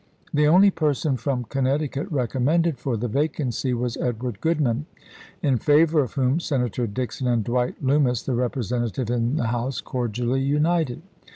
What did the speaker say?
The only person from Connecticut recommended for the vacancy was Edward Groodman, in favor of whom Senator Dixon and Dwight Loomis, the Representative in the Mwardenf ' House, cordially united.